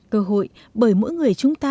cơ hội bởi mỗi người chúng ta